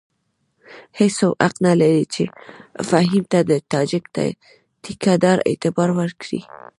هېڅوک حق نه لري چې فهیم ته د تاجک ټیکه دار اعتبار ورکړي.